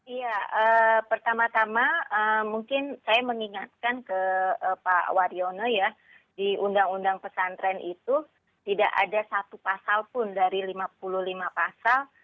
iya pertama tama mungkin saya mengingatkan ke pak wariono ya di undang undang pesantren itu tidak ada satu pasal pun dari lima puluh lima pasal